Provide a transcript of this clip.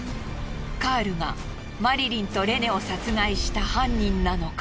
カールがマリリンとレネを殺害した犯人なのか？